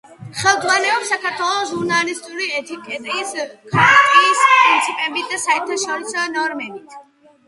ხელმძღვანელობს საქართველოს ჟურნალისტური ეთიკის ქარტიის პრინციპებით და საერთაშორისო ნორმებით.